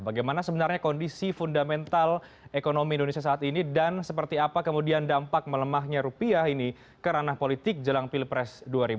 bagaimana sebenarnya kondisi fundamental ekonomi indonesia saat ini dan seperti apa kemudian dampak melemahnya rupiah ini ke ranah politik jelang pilpres dua ribu dua puluh